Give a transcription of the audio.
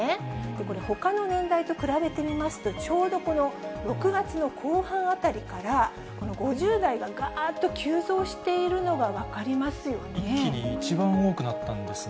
これ、ほかの年代と比べてみますと、ちょうどこの６月の後半あたりから、５０代ががーっと急増しているのが分かりますよね。